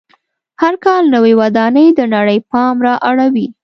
هر کال نوې ودانۍ د نړۍ پام را اړوي.